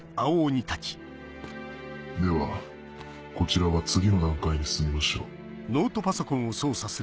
ではこちらは次の段階に進みましょう。